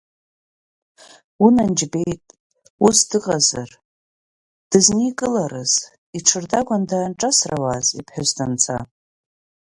Унан џьбеит, ус дыҟазар, дызникыларыз, иҽырдагәаны даанҿасрауаз иԥҳәыс данца?